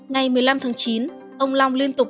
ngày một mươi năm tháng chín ông long liên tục